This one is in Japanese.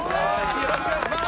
よろしくお願いします！